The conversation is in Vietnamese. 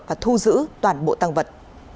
và thu giữ toàn bộ tăng vật